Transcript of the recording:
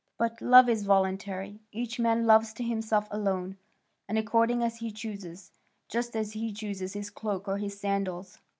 But love is voluntary; each man loves to himself alone, and according as he chooses, just as he chooses his cloak or his sandals."